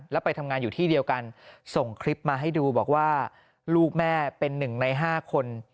แล้วไปทำงานอยู่ที่เดียวกันส่งคลิปมาให้ดูบอกว่าลูกแม่เป็นหนึ่งใน๕คน